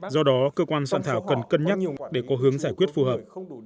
do đó cơ quan soạn thảo cần cân nhắc để có hướng giải quyết phù hợp